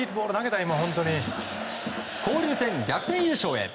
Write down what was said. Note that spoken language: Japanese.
交流戦逆転優勝へ。